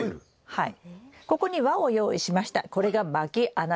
はい。